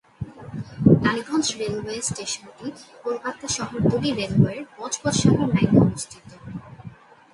Tollygunge railway স্টেশনটি কলকাতা শহরতলি রেলওয়ের বজবজ শাখার লাইনে অবস্থিত।